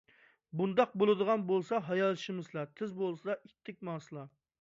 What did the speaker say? بۇنداق بولىدىغان بولسا ھايالشىمىسىلا، تېز بولسىلا! ئىتتىك ماڭسىلا.